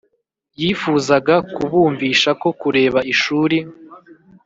yifuzaga kubumvisha ko kureka ishuri